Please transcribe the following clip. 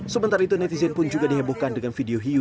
sementara itu netizen pun juga dihebohkan dengan video hiu